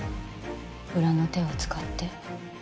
裏の手を使って